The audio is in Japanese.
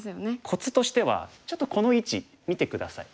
コツとしてはちょっとこの位置見て下さい。